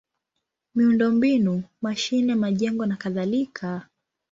miundombinu: mashine, majengo nakadhalika.